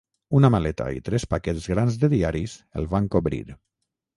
Una maleta i tres paquets grans de diaris el van cobrir.